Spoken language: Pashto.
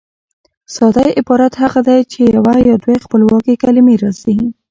ساده عبارت هغه دئ، چي یوه یا دوې خپلواکي کلیمې راسي.